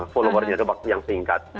followernya waktu yang singkat